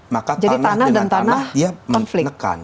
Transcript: maka tanah dengan tanah dia menekan